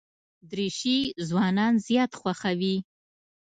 دریشي ځوانان زیات خوښوي.